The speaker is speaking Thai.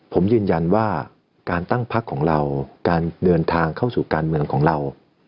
ผมยืนยันว่าการตั้งพักของเราการเดินทางเข้าสู่การเมืองของเรา